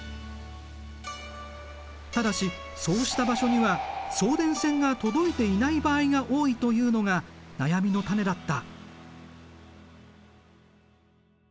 ただしそうした場所には送電線が届いていない場合が多いというのが悩みの種だった。